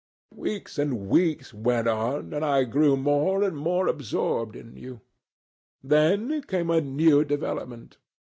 Weeks and weeks went on, and I grew more and more absorbed in you. Then came a new development.